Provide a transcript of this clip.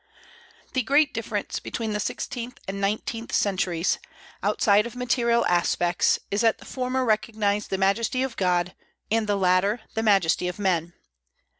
The great difference between the sixteenth and nineteenth centuries, outside of material aspects, is that the former recognized the majesty of God, and the latter the majesty of man.